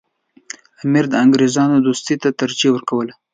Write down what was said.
امیر د انګریزانو دوستۍ ته ترجیح ورکوله.